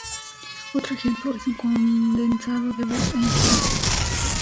Otro ejemplo es un condensado de Bose-Einstein.